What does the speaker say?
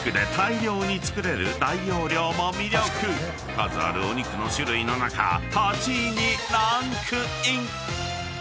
［数あるお肉の種類の中８位にランクイン！］